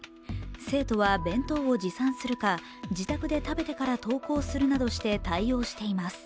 生徒は弁当を持参するか、自宅で食べてから登校するなどして対応しています。